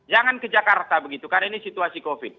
jangan ke jakarta begitu karena ini situasi covid